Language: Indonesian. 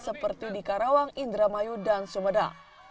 seperti di karawang indramayu dan sumedang